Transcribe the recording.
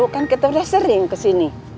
kan kita udah sering kesini